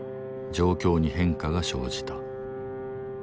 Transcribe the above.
状況に変化が生じた。